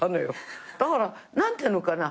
だから何ていうのかな？